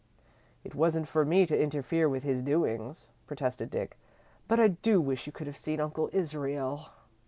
"It wasn't for me to interfere with his doings," protested Dick, "but I do wish you could have seen Uncle Israel."